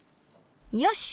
よし。